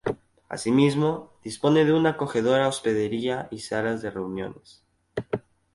Asimismo, dispone de una acogedora hospedería y salas de reuniones.